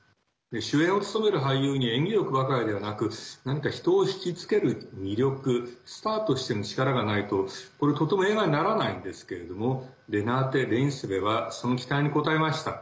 主演を務める俳優に演技力ばかりではなく何か人をひきつける魅力スターとしての力がないとこれ、とても映画にならないんですけれどもレナーテ・レインスヴェはその期待に応えました。